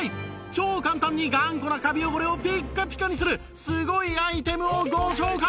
超簡単に頑固なカビ汚れをピッカピカにするすごいアイテムをご紹介！